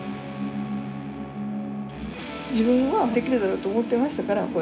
自分はできるだろうと思ってましたから。